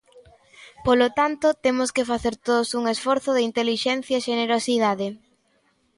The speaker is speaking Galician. Polo tanto, temos que facer todos un esforzo de intelixencia e xenerosidade.